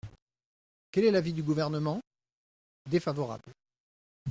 Quel est l’avis du Gouvernement ? Défavorable.